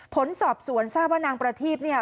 ผลสอบสวนทราบว่านางประทีพเนี่ย